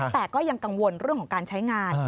แต่ก็ยังกังวลเรื่องของการใช้งาน